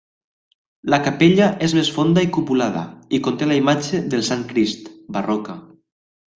La capella és més fonda i cupulada i conté la imatge del Sant Crist, barroca.